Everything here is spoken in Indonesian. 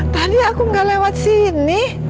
tadi aku nggak lewat sini